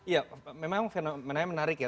ya memang fenomenanya menarik ya